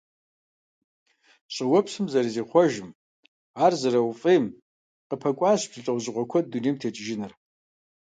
ЩӀыуэпсым зэрызихъуэжым ар зэрауфӀейм къапэкӀуащ бзу лӀэужьыгъуэ куэд дунейм текӀыжыныр.